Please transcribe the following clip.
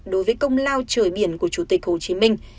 đối với công lao trời biển của chủ tịch hồ chí minh